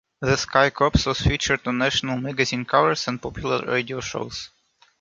The ski corps was featured on national magazine covers and popular radio shows.